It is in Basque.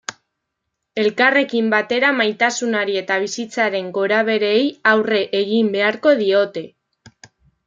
Elkarrekin batera maitasunari eta bizitzaren gorabeherei aurre egin beharko diote.